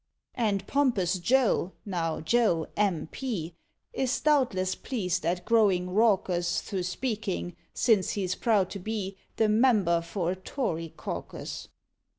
And pompous JOE, now JOE, M.P., Is doubtless pleased at growing raucous Through speaking, since he's proud to be The Member for a Tory Caucus.